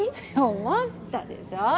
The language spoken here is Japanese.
思ったでしょ。